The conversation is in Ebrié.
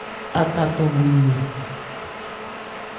Aka tɔ bhwe yɔn.